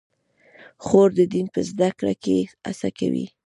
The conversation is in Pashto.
خور د دین په زده کړه کې هڅه کوي.